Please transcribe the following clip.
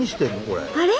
これ。